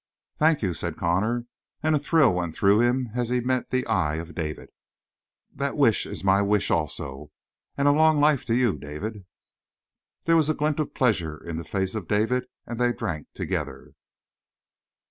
"Thank you," said Connor, and a thrill went through him as he met the eye of David. "That wish is my wish also and long life to you, David." There was a glint of pleasure in the face of David, and they drank together.